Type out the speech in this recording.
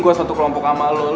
gue satu kelompok sama lo